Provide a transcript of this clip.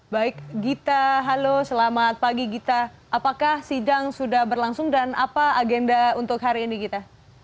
baik gita halo selamat pagi gita apakah sidang sudah berlangsung dan apa agenda untuk hari ini gita